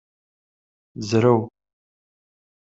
Zrew!